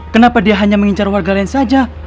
kenapa dia hanya mengincar warga lain saja